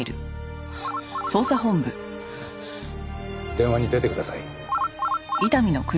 電話に出てください。